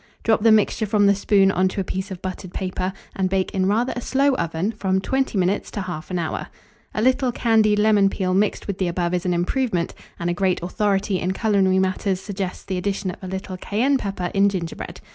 Drop the mixture from the spoon on to a piece of buttered paper, and bake in rather a slow oven from 20 minutes to 1/2 hour. A little candied lemon peel mixed with the above is an improvement, and a great authority in culinary matters suggests the addition of a little cayenne pepper in gingerbread.